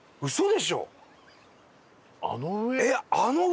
あの上？